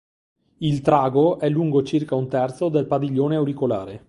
Il trago è lungo circa un terzo del padiglione auricolare.